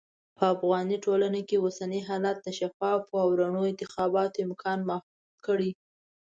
په افغاني ټولنه کې اوسني حالات د شفافو او رڼو انتخاباتو امکان محدود کړی.